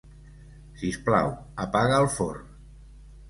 Sisplau, apaga el forn.